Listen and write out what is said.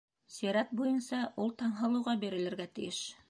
Сират буйынса ул Таңһылыуға бирелергә тейеш.